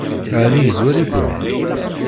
Ɛni yezwar-iken?